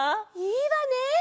いいわね！